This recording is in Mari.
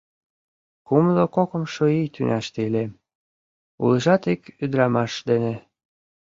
Кумло кокымшо ий тӱняште илем, улыжат ик ӱдрамаш дене...